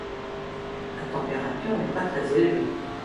La température n’est pas très élevée.